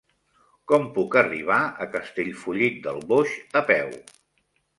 Com puc arribar a Castellfollit del Boix a peu?